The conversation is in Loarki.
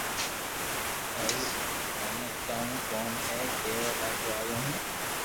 ٿارو ايئي ڪاؤ ڪوم ھي ڪاو ليوا آيا ھون